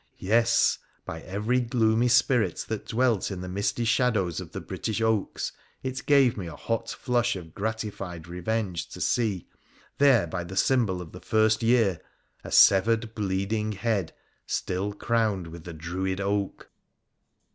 Yes ! by every gloomy spirit tliat dwelt in the misty shadows of the British oaks, it gave me a hot flush of gratified revenge to see — there by the symbol of the first year — a severed, bleeding head, still crowned with the Druid oak.